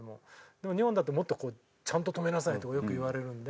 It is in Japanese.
でも日本だともっとこうちゃんと止めなさいとよく言われるんで。